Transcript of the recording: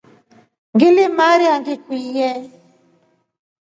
Ngilimarya ngiukye.